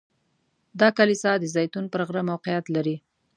دا کلیسا د زیتون پر غره موقعیت لري.